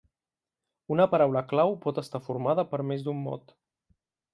Una paraula clau pot estar formada per més d'un mot.